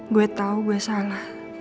gue tau gue salah